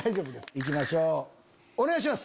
行きましょうお願いします！